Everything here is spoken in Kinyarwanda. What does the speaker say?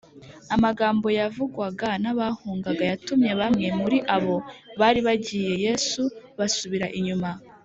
amagambo yavugwaga n’abahungaga yatumye bamwe muri abo bari bagiye yesu basubira inyuma